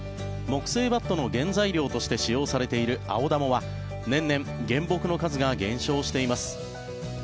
木製バットの原材料として使用されているアオダモは年々、原木の数が減少しています。